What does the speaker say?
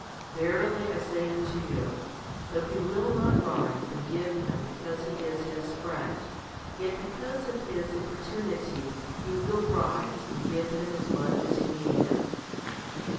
Verily I say unto you, though he will not rise and give him because he is his friend, yet because of his importunity he will rise and give him as much as he needeth.